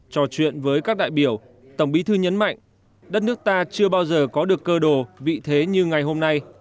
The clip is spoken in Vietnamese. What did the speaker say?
trò chuyện với các đại biểu tổng bí thư nhấn mạnh đất nước ta chưa bao giờ có được cơ đồ vị thế như ngày hôm nay